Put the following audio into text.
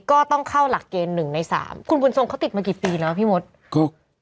ก็ต้องเข้าหลักเกณฑ์หนึ่งในสามคุณบุญทรงเขาติดมากี่ปีแล้วพี่มดครับ